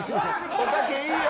おたけ、いいよ。